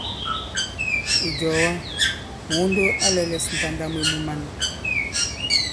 Ìjɔ̀ɔ̀wa, Mùundo a lɛ̄lɛ̄s ǹtanda mwe mu man.